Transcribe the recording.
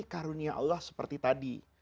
karunia allah seperti tadi